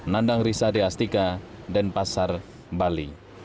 nandang risa deastika denpasar bali